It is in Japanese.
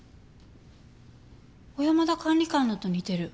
小山田管理官のと似てる。